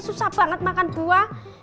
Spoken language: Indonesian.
susah banget makan dua